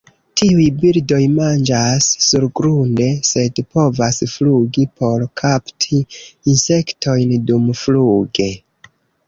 Tiuj birdoj manĝas surgrunde, sed povas flugi por kapti insektojn dumfluge.